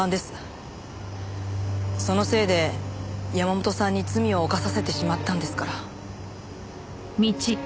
そのせいで山本さんに罪を犯させてしまったんですから。